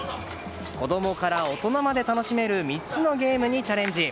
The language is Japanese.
子供から大人まで楽しめる３つのゲームにチャレンジ。